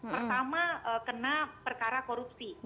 pertama kena perkara korupsi